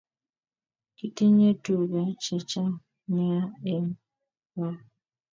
Kitinye tuka che chang nea en gaa